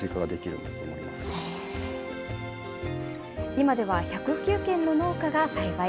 今では１０９軒の農家が栽培。